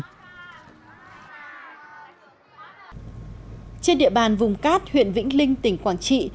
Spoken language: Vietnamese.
trên địa bàn vùng cát huyện vĩnh linh tỉnh quảng trị